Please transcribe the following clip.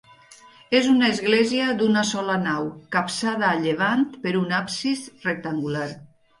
És una església d'una sola nau capçada a llevant per un absis rectangular.